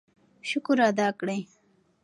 شکر ادا کړئ.